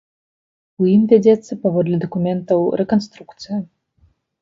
У ім вядзецца, паводле дакументаў, рэканструкцыя.